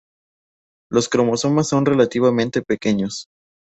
Los cromosomas son relativamente pequeños.